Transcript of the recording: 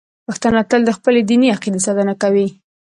پښتانه تل د خپلې دیني عقیدې ساتنه کوي.